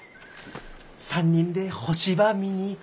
３人で星ば見に行くとかさ。